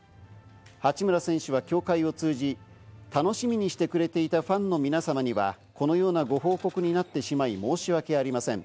八村選手は協会を通じ、楽しみにしてくれていたファンの皆さまには、このようなご報告になってしまい申し訳ありません。